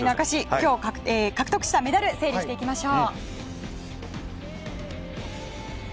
今日獲得したメダルの数整理していきましょう。